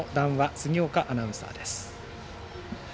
杉岡アナウンサーです。